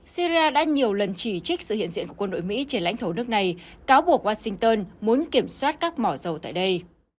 syria đã nhiều lần chỉ trích sự hiện diện của quân đội mỹ trên lãnh thổ nước này cáo buộc washington muốn kiểm soát các mỏ dầu tại đây